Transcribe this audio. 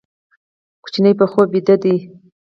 ماشوم په خوب ویده دی.